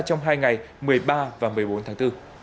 trong hai ngày một mươi ba và một mươi bốn tháng bốn